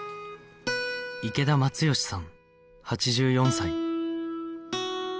池田松義さん８４歳